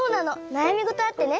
なやみごとあってね。